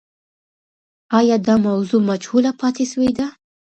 آیا دا موضوع مجهوله پاتې سوې ده؟